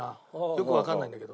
よくわかんないんだけど。